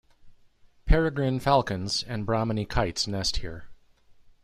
Peregrine falcons and brahminy kites nest here.